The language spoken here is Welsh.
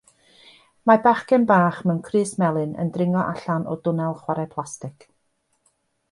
Mae bachgen bach mewn crys melyn yn dringo allano dwnnel chwarae plastig.